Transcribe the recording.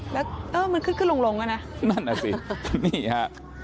แล้วเออมันขึ้นขึ้นลงลงแล้วนะนั่นน่ะสินี่ฮะ